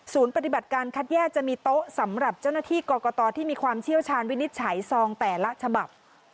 ปฏิบัติการคัดแยกจะมีโต๊ะสำหรับเจ้าหน้าที่กรกตที่มีความเชี่ยวชาญวินิจฉัยซองแต่ละฉบับ